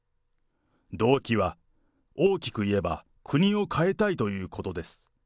動機は、大きく言えば、国を変えたいということです。